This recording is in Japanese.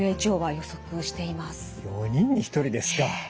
４人に１人ですか。